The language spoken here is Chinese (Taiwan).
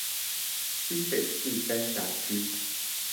新北市三峽區